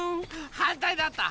はんたいだった。